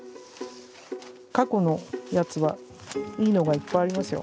過去のやつはいいのがいっぱいありますよ。